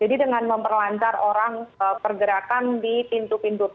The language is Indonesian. jadi dengan memperlantar orang pergerakan di pintu pintu tol jadi